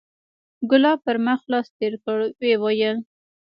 ګلاب پر مخ لاس تېر کړ ويې ويل.